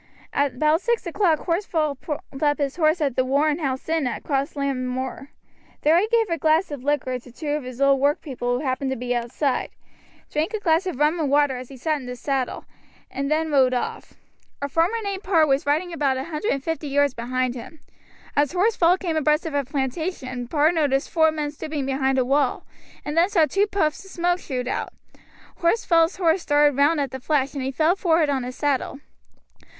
"About six o'clock Horsfall pulled up his horse at the Warren House Inn at Crossland Moor. There he gave a glass of liquor to two of his old work people who happened to be outside, drank a glass of rum and water as he sat in the saddle, and then rode off. A farmer named Parr was riding about a hundred and fifty yards behind him. As Horsfall came abreast of a plantation Parr noticed four men stooping behind a wall, and then saw two puffs of smoke shoot out. Horsfall's horse started round at the flash, and he fell forward on his saddle.